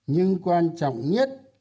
nhưng quan trọng nhất